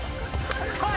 こい！